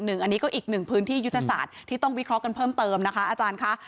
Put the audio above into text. อันนี้ก็อีกหนึ่งพื้นที่ยุทธศาสตร์ที่ต้องวิเคราะห์กันเพิ่มเติมนะคะอาจารย์ค่ะ